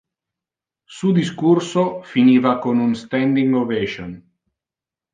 Su discurso finiva con un standing ovation.